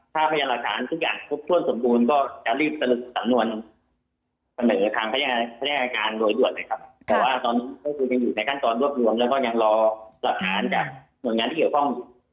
ถ้าพยานหลักฐานทุกอย่างภพช่วนสมบูรณ์ก็จะรีบสรุปสำนวน